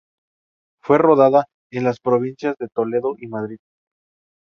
Fue rodada en las provincias de Toledo y Madrid.